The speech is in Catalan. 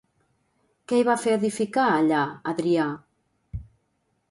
Què hi va fer edificar allà Adrià?